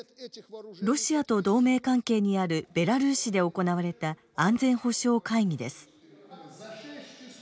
ロシアと同盟関係にあるベラルーシで行われた安全保障会議です。